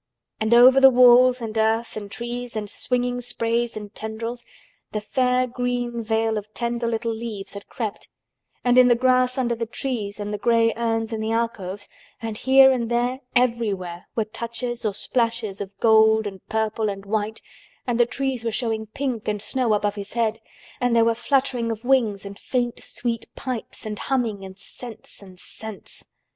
And over walls and earth and trees and swinging sprays and tendrils the fair green veil of tender little leaves had crept, and in the grass under the trees and the gray urns in the alcoves and here and there everywhere were touches or splashes of gold and purple and white and the trees were showing pink and snow above his head and there were fluttering of wings and faint sweet pipes and humming and scents and scents.